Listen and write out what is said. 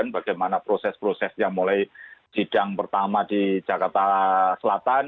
bagaimana proses prosesnya mulai sidang pertama di jakarta selatan